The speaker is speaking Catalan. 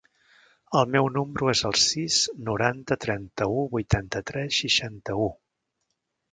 El meu número es el sis, noranta, trenta-u, vuitanta-tres, seixanta-u.